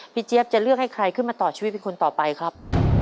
เจี๊ยบจะเลือกให้ใครขึ้นมาต่อชีวิตเป็นคนต่อไปครับ